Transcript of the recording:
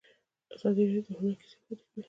ازادي راډیو د هنر کیسې وړاندې کړي.